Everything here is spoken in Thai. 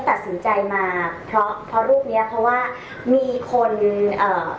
ตัดสินใจมาเพราะเพราะรูปเนี้ยเพราะว่ามีคนเอ่อ